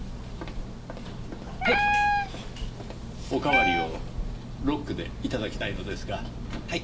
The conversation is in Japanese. はい！おかわりをロックで頂きたいのですが。はい。